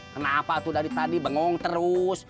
kenapa aku dari tadi bengong terus